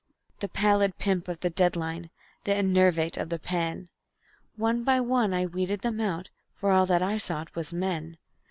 The pallid pimp of the dead line, the enervate of the pen, One by one I weeded them out, for all that I sought was Men.